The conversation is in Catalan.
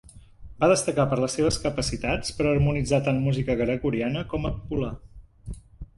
Va destacar per les seves capacitats per harmonitzar tant música gregoriana com a popular.